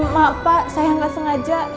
maaf pak saya nggak sengaja